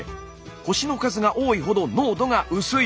星の数が多いほど濃度が薄い。